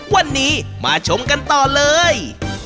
วันนี้มาชมกันต่อเลย